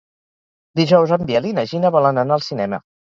Dijous en Biel i na Gina volen anar al cinema.